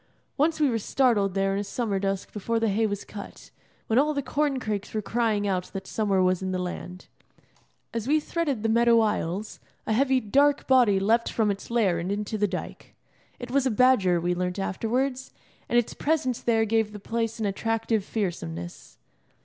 Once we were startled there in a summer dusk before the hay was cut, when all the corn crakes were crying out that summer was in the land. As we threaded the meadow aisles, a heavy, dark body leapt from its lair and into the dyke. It was a badger, we learnt afterwards, and its presence there gave the place an attractive fearsomeness.